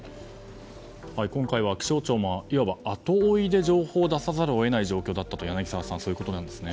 今回は気象庁もいわば後追いで情報を出さざるを得ない状況だったということですね。